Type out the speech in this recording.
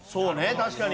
確かに。